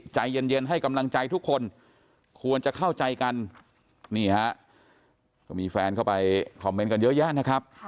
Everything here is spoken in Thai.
ใจเย็นให้กำลังใจทุกคนควรจะเข้าใจกันนี่ฮะก็มีแฟนเข้าไปคอมเมนต์กันเยอะแยะนะครับ